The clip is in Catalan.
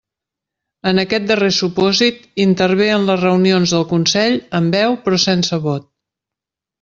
En aquest darrer supòsit, intervé en les reunions del Consell amb veu però sense vot.